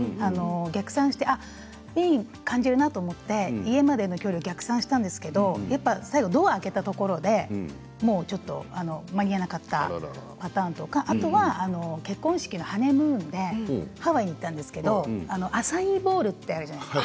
逆算して、いい感じだなと思って家までの距離を逆算したんですけど最後ドアを開けたところでもうちょっと間に合わなかったパターンとかあとは結婚式のハネムーンでハワイに行ったんですけどアサイーボウルってあるじゃないですか。